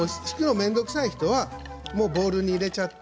面倒くさい人はボウルに入れちゃって。